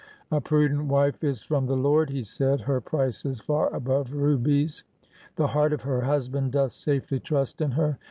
' A prudent wife is from the Lord,' " he said. ''^ Her price is far above rubies. The heart of her husband doth safely trust in her.